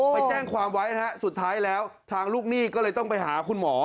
ไปแจ้งความไว้นะฮะสุดท้ายแล้วทางลูกหนี้ก็เลยต้องไปหาคุณหมอ